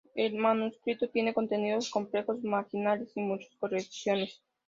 El manuscrito tiene contenidos complejos, marginales, y muchas correcciones.